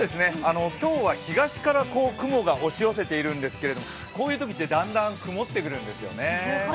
今日は東から雲が押し寄せているんですけれどもこういうときってだんだん曇ってくるんですよね。